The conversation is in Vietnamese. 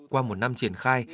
qua một năm triển khai